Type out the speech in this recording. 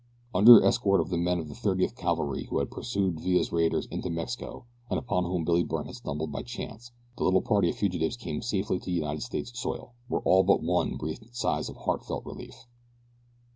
Under escort of the men of the Thirteenth Cavalry who had pursued Villa's raiders into Mexico and upon whom Billy Byrne had stumbled by chance, the little party of fugitives came safely to United States soil, where all but one breathed sighs of heartfelt relief.